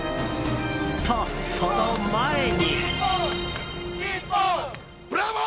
と、その前に。